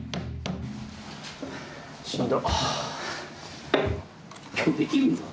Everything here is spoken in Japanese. しんど。